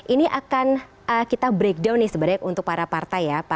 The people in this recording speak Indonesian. ini akan kita breakdown nih sebenarnya untuk para partai ya